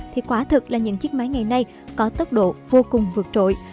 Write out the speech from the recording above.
thì quả thực là những chiếc máy ngày nay có tốc độ vô cùng vượt trội